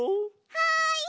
はい！